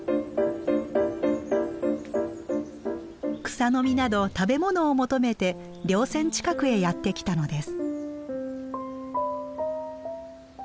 草の実など食べ物を求めてりょう線近くへやって来たのです。